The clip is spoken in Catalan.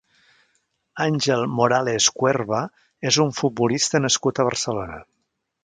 Àngel Morales Cuerva és un futbolista nascut a Barcelona.